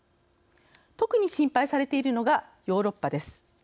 特に心配されているのがヨーロッパです。